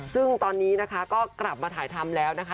ซึ่งตอนนี้นะคะก็กลับมาถ่ายทำแล้วนะคะ